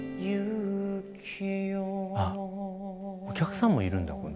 お客さんもいるんだ。